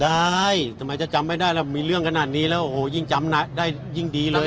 ได้ทำไมจะจำไม่ได้แล้วมีเรื่องขนาดนี้แล้วโอ้โหยิ่งจำได้ยิ่งดีเลย